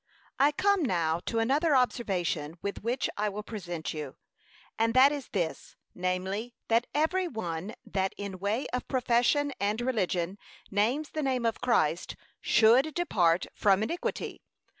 ] I come now to another observation with which I will present you, and that is this, namely, that every one that in way of profession and religion names the name of Christ, 'SHOULD DEPART from iniquity.'